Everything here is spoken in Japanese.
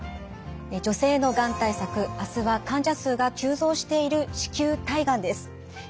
「女性のがん対策」明日は患者数が急増している子宮体がんです。